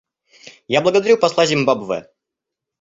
Я благодарю посла Зимбабве.